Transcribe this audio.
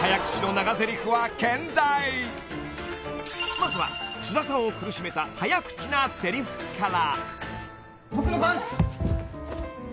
［まずは菅田さんを苦しめた早口なせりふから］